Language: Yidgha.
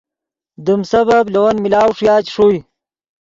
دیم سبب لے ون ملاؤ ݰویا چے ݰوئے